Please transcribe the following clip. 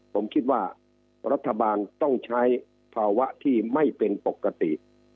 ผมคิดว่ารัฐบาลต้องใช้ภาวะที่ไม่เป็นปกติ